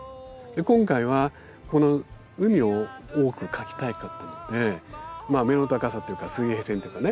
今回はこの海を多く描きたかったのでまあ目の高さっていうか水平線っていうかね